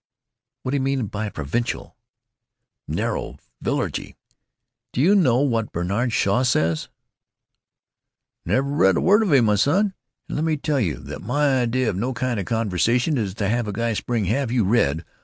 "What d'you mean by 'provincial'?" "Narrow. Villagey. Do you know what Bernard Shaw says——?" "Never read a word of him, my son. And let me tell you that my idea of no kind of conversation is to have a guy spring 'Have you read?'